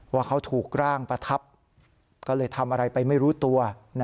ว่าเขาถูกร่างประทับก็เลยทำอะไรไปไม่รู้ตัว